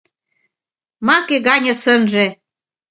Маке гане сынже